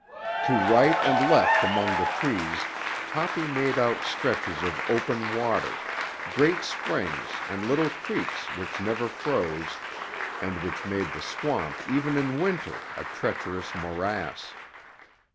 To right and left among the trees Toppy made out stretches of open water, great springs and little creeks which never froze and which made the swamp even in Winter a treacherous morass.